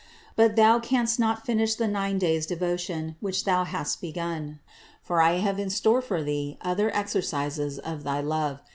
But Thou canst not finish the nine days' devotion, which Thou hast begun, for I have in store for Thee other exercises of Thy love.